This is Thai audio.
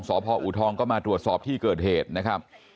พอูทองก็มาตรวจสอบที่เกิดเหตุนะครับ